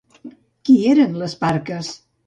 Qui eren les Parques?